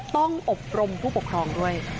ต้องอบรมผู้ปกครองด้วย